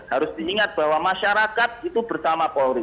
harus diingat bahwa masyarakat itu bersama polri